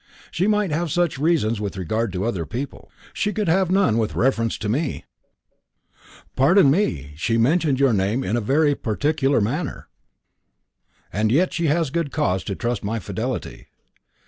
"She might have such reasons with regard to other people; she could have none with reference to me." "Pardon me, she mentioned your name in a very particular manner." "And yet she has had good cause to trust in my fidelity."